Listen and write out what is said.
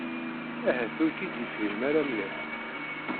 Ahat ur k-id-yefhim ara mliḥ.